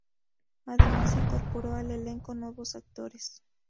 Además se incorporó al elenco nuevos actores.